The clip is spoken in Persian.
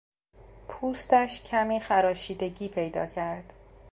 پوستش کمی خراشیدگی پیدا کرد.